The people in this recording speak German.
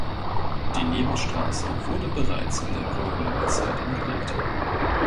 Die Nebenstraße wurde bereits in der Kolonialzeit angelegt.